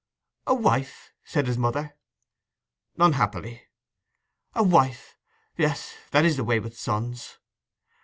'A wife?' said his mother. 'Unhappily!' 'A wife! Yes, that is the way with sons!